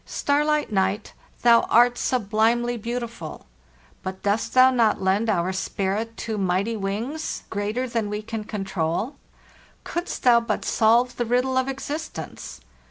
Starlit night, thou art sublime ly beautiful! But dost thou not lend our spirit too migh ty wings, greater than we can control? Couldst thou but solve the riddle of existence!